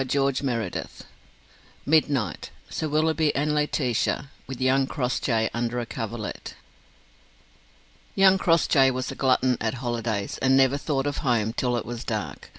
CHAPTER XL MIDNIGHT: SIR WILLOUGHBY AND LAETITIA: WITH YOUNG CROSSJAY UNDER A COVERLET Young Crossjay was a glutton at holidays and never thought of home till it was dark.